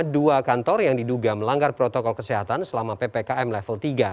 dua kantor yang diduga melanggar protokol kesehatan selama ppkm level tiga